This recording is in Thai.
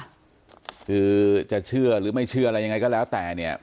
คือจะเชื่อหรือไม่เชื่ออะไรยังไงก็แล้วแต่เนี่ย